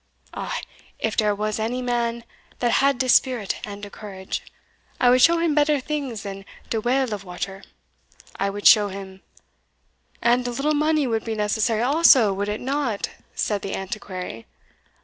Ah! if dere was any man that had de spirit and de courage, I would show him better things than de well of water I would show him" "And a little money would be necessary also, would it not?" said the Antiquary.